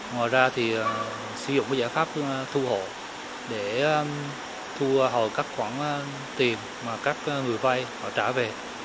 ngoài ra thì sử dụng giải pháp thu hộ để thu hồi các khoản tiền mà các người vay họ trả về